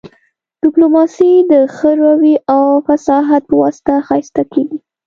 ډیپلوماسي د ښه رويې او فصاحت په واسطه ښایسته کیږي